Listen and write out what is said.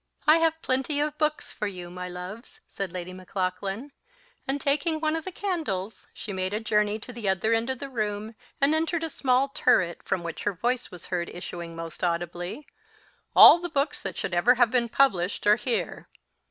"I have plenty of books for you, my loves," said Lady Maclaughlan; and, taking one of the candles, she made a journey to the other end of the room, and entered a small turret, from which her voice was heard issuing most audibly, "All the books that should ever have been published are here.